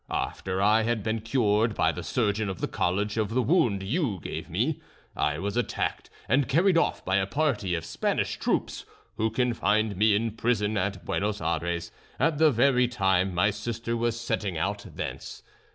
After I had been cured by the surgeon of the college of the wound you gave me, I was attacked and carried off by a party of Spanish troops, who confined me in prison at Buenos Ayres at the very time my sister was setting out thence.